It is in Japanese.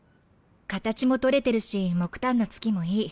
形も取れてるし木炭の付きもいい。